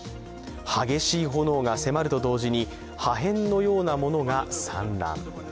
激しい炎が迫ると同時に破片のようなものが散乱。